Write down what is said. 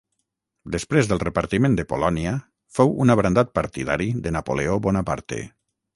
Després del Repartiment de Polònia, fou un abrandat partidari de Napoleó Bonaparte.